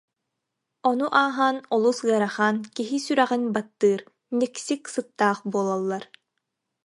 Ону ааһан олус ыарахан, киһи сүрэҕин баттыыр, никсик сыттаах буолаллар